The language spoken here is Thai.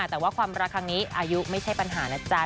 แต่ว่าความรักครั้งนี้อายุไม่ใช่ปัญหานะจ๊ะ